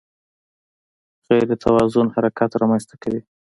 غیر توازن حرکت رامنځته کوي.